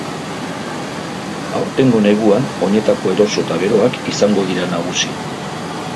Aurtengo neguan oinetako eroso eta beroak izango dira nagusi.